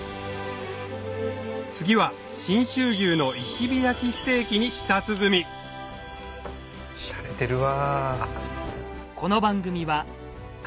次は信州牛の石火焼きステーキに舌鼓シャレてるわ。